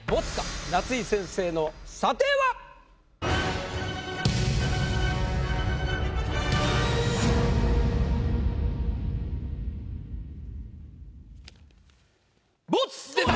夏井先生の査定は⁉ボツ！でた！